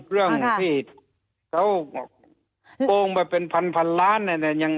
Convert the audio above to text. เรื่องที่เขาโกงไปเป็นพันล้านเนี่ย